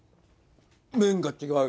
麺が違う。